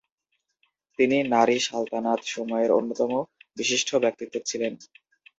তিনি নারী সালতানাত সময়ের অন্যতম বিশিষ্ট ব্যক্তিত্ব ছিলেন।